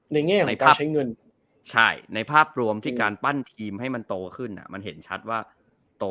แง่ของการใช้เงินใช่ในภาพรวมที่การปั้นทีมให้มันโตขึ้นมันเห็นชัดว่าโต